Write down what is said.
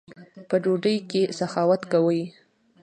په ډوډۍ کښي سخاوت کوئ!